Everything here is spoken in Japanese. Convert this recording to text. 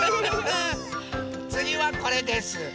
つぎはこれです。